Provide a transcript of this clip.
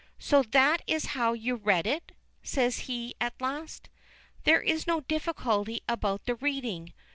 "So that is how you read it," says he at last. "There is no difficulty about the reading.